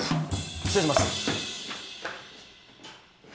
失礼します。